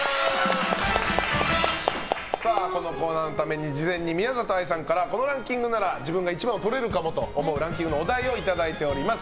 このコーナーのために事前に宮里藍さんからこのランキングなら自分が１番をとれるかもと思うランキングのお題をいただいております。